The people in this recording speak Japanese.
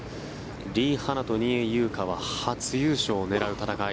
リ・ハナと仁井優花は初優勝を狙う戦い。